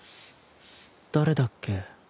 誰だっけ？